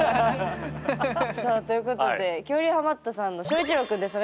さあということで恐竜ハマったさんの翔一郎くんです。